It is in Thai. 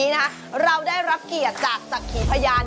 เยอะมากเลยครับพลุกมอง